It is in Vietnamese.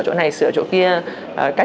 chỗ này sửa chỗ kia